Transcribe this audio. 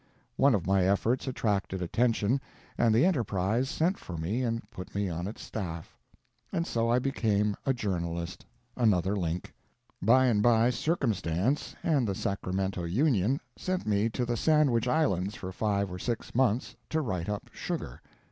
One of my efforts attracted attention, and the _Enterprise _sent for me and put me on its staff. And so I became a journalist—another link. By and by Circumstance and the Sacramento _union _sent me to the Sandwich Islands for five or six months, to write up sugar.